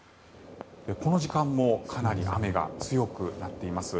この時間もかなり雨が強くなっています。